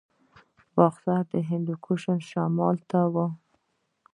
باختر د هندوکش شمال ته و